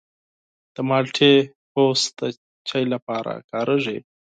د مالټې پوستکی د چای لپاره کارېږي.